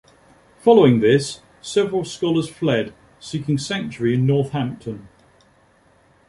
Following this, several scholars fled seeking sanctuary in Northampton.